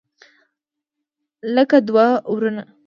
لکه دوه ورونه.